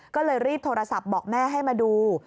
ก็เลยรีบโทรศัพท์บอกแม่ให้มาดู